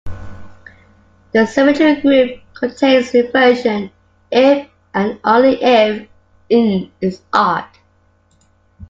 The symmetry group contains inversion if and only if "n" is odd.